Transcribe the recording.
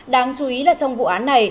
đáng chú ý là trong vụ án này